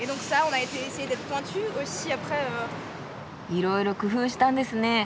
いろいろ工夫したんですね。